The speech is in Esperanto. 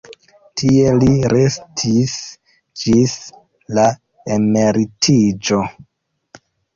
Tie li restis ĝis la emeritiĝo.